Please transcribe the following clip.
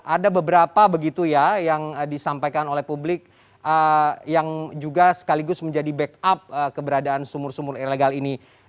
ada beberapa begitu ya yang disampaikan oleh publik yang juga sekaligus menjadi backup keberadaan sumur sumur ilegal ini